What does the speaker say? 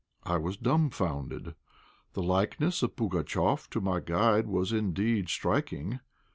I was dumbfounded. The likeness of Pugatchéf to my guide was indeed striking.